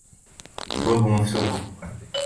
الأبواب مفتوحة.